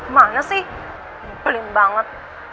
mana sih pelin banget